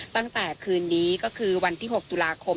ตั้งแต่คืนนี้ก็คือวันที่๖ตุลาคม